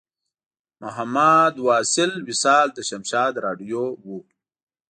محمد واصل وصال له شمشاد راډیو و.